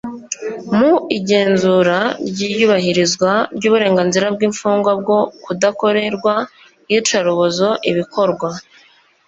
mu igenzura ry iyubahirizwa ry uburenganzira bw imfungwa bwo kudakorerwa iyicarubozo ibikorwa